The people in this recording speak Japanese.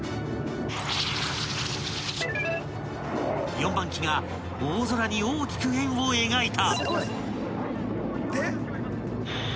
［４番機が大空に大きく円を描いた］